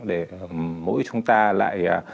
để mỗi chúng ta lại